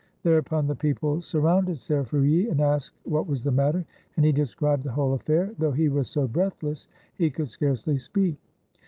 Thereupon the people surrounded Ser Frulli and asked what was the matter, and he described the whole affair, though he was so breathless he could scarcely speak.